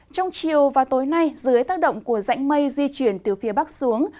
trong chiều và tối nay dưới tác động của rãnh mây di chuyển từ phía bắc xuống